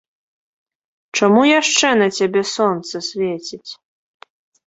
Чаму яшчэ на цябе сонца свеціць?